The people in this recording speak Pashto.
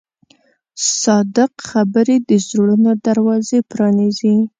صادق خبرې د زړونو دروازې پرانیزي.